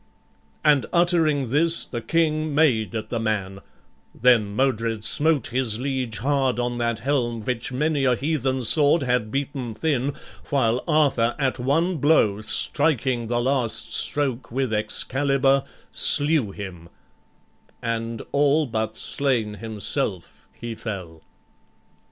And uttering this the King Made at the man: then Modred smote his liege Hard on that helm which many a heathen sword Had beaten thin; while Arthur at one blow, Striking the last stroke with Excalibur, Slew him, and but slain himself, he fell.